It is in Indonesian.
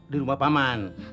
di rumah paman